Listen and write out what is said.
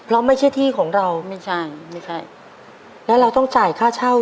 เพราะไม่ใช่ที่ของเราไม่ใช่ไม่ใช่แล้วเราต้องจ่ายค่าเช่า